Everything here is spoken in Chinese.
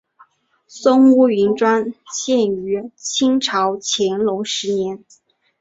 松坞云庄建于清朝乾隆十年。